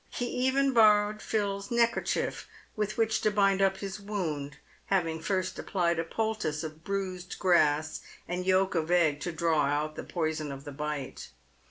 He even borrowed Phil's neckerchief with which to bind up his wound, having first applied a poultice of bruised grass and yolk of egg to draw out the poison of the bite.